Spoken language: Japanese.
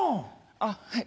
あっはい。